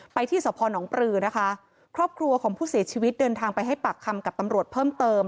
ที่สพนปลือนะคะครอบครัวของผู้เสียชีวิตเดินทางไปให้ปากคำกับตำรวจเพิ่มเติม